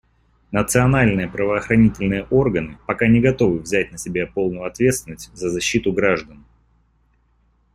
Национальные правоохранительные органы пока не готовы взять на себя полную ответственность за защиту граждан.